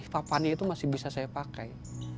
papannya itu masih bisa saya pakai